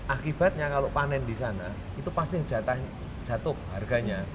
akibatnya kalau panen di sana itu pasti jatuh harganya